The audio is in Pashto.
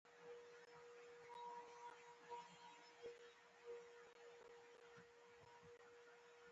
🦇 اسمان څلکي